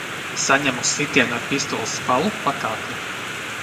Saņemu sitienu ar pistoles spalu pa kaklu.